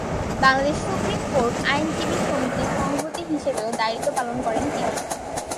Bangladesh supreme court আইনজীবী সমিতির সভাপতি হিসেবেও দায়িত্ব পালন করেন তিনি।